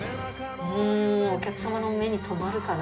うーん、お客様の目に留まるかな？